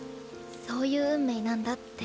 そういう運命なんだって。